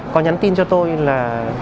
có nhắn tin cho tôi là